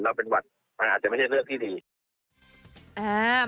แล้วเป็นหวัดมันอาจจะไม่ใช่เลือกที่ดี